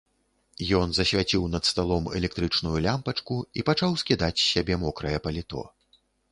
Ён засвяціў над сталом электрычную лямпачку і пачаў скідаць з сябе мокрае паліто.